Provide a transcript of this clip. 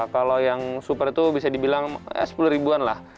kalau yang super itu bisa dibilang eh sepuluh ribuan lah